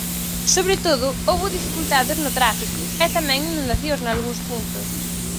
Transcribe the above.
Sobre todo, houbo dificultades no tráfico, e tamén inundacións nalgúns puntos.